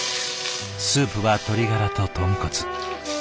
スープは鶏ガラと豚骨。